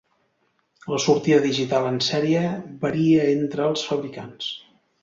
La sortida digital en sèrie varia entre els fabricants.